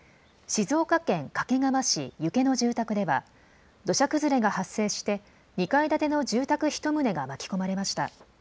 静岡県掛川市遊家の住宅では土砂崩れが発生して２階建ての住宅１棟が巻き込まれました。